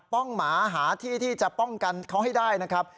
้องหมาหาที่ที่จะป้องกันเขาให้ได้นะครับ